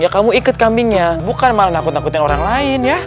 kamu ikut kambingnya bukan malah nakut nakutin orang lain ya